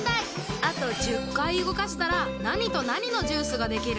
あと１０かいうごかしたらなにとなにのジュースができる？